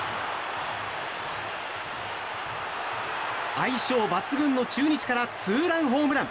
相性抜群の中日からツーランホームラン。